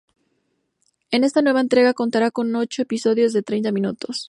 En esta nueva entrega, contará con ocho episodios de treinta minutos.